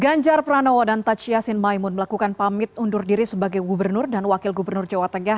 ganjar pranowo dan taj yassin maimun melakukan pamit undur diri sebagai gubernur dan wakil gubernur jawa tengah